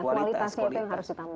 kualitasnya itu yang harus ditambah